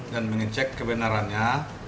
dan mengecek kebenarannya